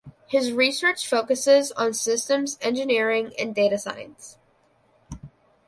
His research focuses on systems engineering and data science.